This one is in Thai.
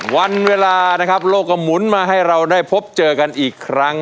วันเวลานะครับโลกก็หมุนมาให้เราได้พบเจอกันอีกครั้ง